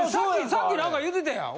さっき何か言うてたやん。